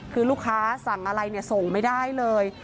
คือลูกค้าสั่งอะไรเนี่ยส่งไม่ได้เลย